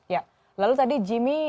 ya lalu tadi jimmy